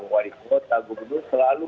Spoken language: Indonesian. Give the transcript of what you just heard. wadikota gubernur selalu